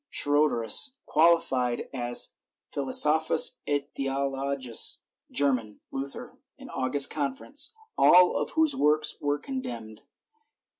Schroderus, qualified as "Philosophus et Theologus German. Luther. August. Confess.," all of whose works were condemned.